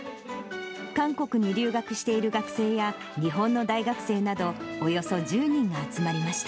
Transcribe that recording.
韓国に留学している学生や日本の大学生など、およそ１０人が集まりました。